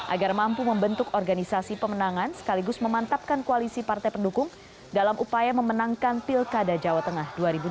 agar mampu membentuk organisasi pemenangan sekaligus memantapkan koalisi partai pendukung dalam upaya memenangkan pilkada jawa tengah dua ribu dua puluh